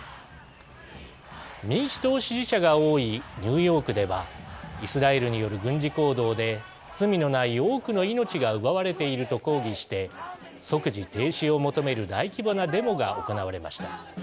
民主党支持者が多いニューヨークではイスラエルによる軍事行動で罪のない多くの命が奪われていると抗議して即時停止を求める大規模なデモが行われました。